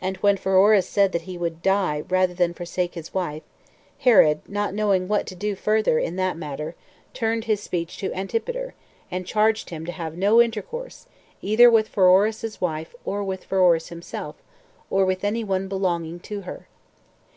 And when Pheroras said that he would die rather than forsake his wife, Herod, not knowing what to do further in that matter, turned his speech to Antipater, and charged him to have no intercourse either with Pheroras's wife, or with Pheroras himself, or with any one belonging to her.